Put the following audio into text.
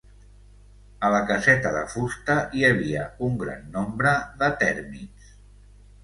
A la caseta de fusta hi havia un gran nombre de tèrmits.